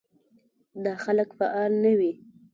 دا خلک فعال نه وي.